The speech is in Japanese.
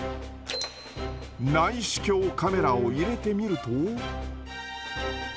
内視鏡カメラを入れてみると。